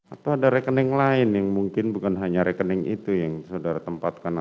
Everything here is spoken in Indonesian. atau ada rekening lain yang mungkin bukan hanya rekening itu yang saudara tempatkan